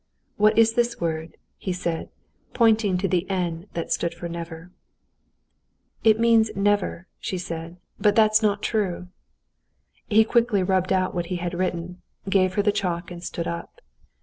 "What is this word?" he said, pointing to the n that stood for never. "It means never," she said; "but that's not true!" He quickly rubbed out what he had written, gave her the chalk, and stood up.